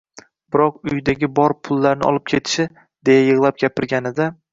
biroq uydagi bor pullarni olib ketishi...”, deya yig‘lab gapirganida